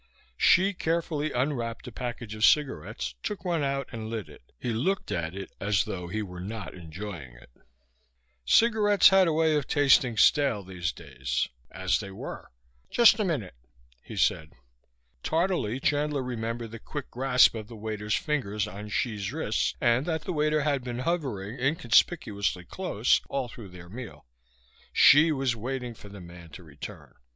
Hsi carefully unwrapped a package of cigarettes, took one out and lit it. He looked at it as though he were not enjoying it; cigarettes had a way of tasting stale these days. As they were. "Just a minute," he said. Tardily Chandler remembered the quick grasp of the waiter's fingers on Hsi's wrist, and that the waiter had been hovering, inconspicuously close, all through their meal. Hsi was waiting for the man to return.